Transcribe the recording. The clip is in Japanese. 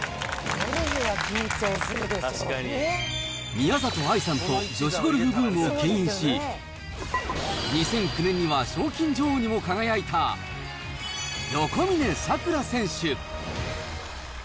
宮里藍さんと女子ゴルフブームをけん引し、２００９年には賞金女王にも輝いた横峯さくら選手。